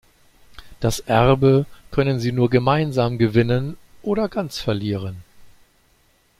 Das Erbe können sie nur gemeinsam gewinnen oder ganz verlieren.